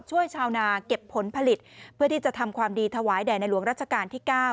ชาวนาเก็บผลผลิตเพื่อที่จะทำความดีถวายแด่ในหลวงรัชกาลที่๙